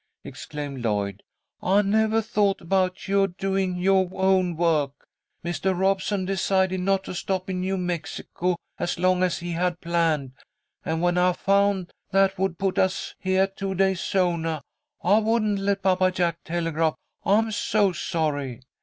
exclaimed Lloyd. "I nevah thought about yoah doing yoah own work. Mr. Robeson decided not to stop in New Mexico as long as he had planned, and, when I found that would put us heah two days soonah, I wouldn't let Papa Jack telegraph. I'm so sorry."